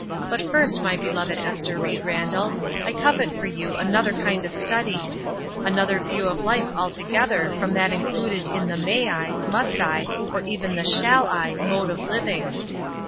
But first, my beloved Ester Ried Randall, I covet for you another kind of study; another view of life altogether from that included in the 'May I ?' 'Must I ?' or even the 'Shall I?' mode of living.